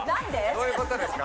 どういうことですか？